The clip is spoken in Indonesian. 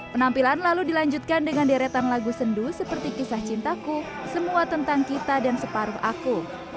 penampilan lalu dilanjutkan dengan deretan lagu sendu seperti kisah cintaku semua tentang kita dan separuh aku